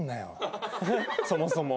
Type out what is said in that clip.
そもそも。